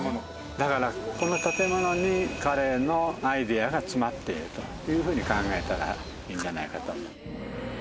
だからこの建物に彼のアイデアが詰まっているというふうに考えたらいいんじゃないかと。